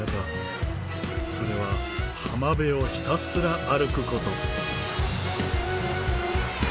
それは浜辺をひたすら歩く事。